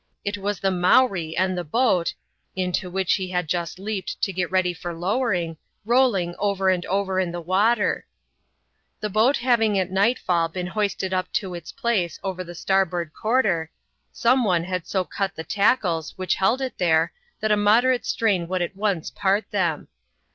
It was the Mowree and the boat — into which he had just leaped to get ready for lowering — rolling over and over in the water. The boat having at nightfall been hoisted up to its place over the starboard quarter, some one had so cut the tackles which held it therei, that a moderate strain n?o\M «i1 oti^i.^ ^^a\. ihew.